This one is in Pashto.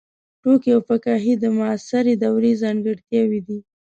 ټوکي او فکاهي د معاصرې دورې ځانګړتیاوې دي.